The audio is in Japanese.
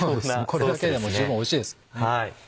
これだけでも十分おいしいですもんね。